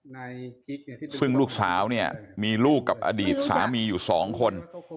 ซึ่งลูกสาวเนี่ยมีลูกกับอดีตสามีอยู่สองคน